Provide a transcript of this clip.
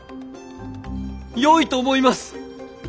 良いと思います！